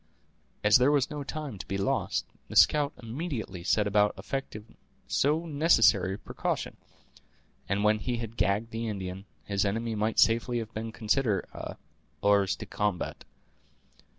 As there was no time to be lost, the scout immediately set about effecting so necessary a precaution; and when he had gagged the Indian, his enemy might safely have been considered as "hors de combat."